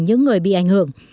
những người bị ảnh hưởng